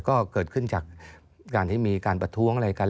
ก็เกิดขึ้นจากการที่มีการประท้วงอะไรกัน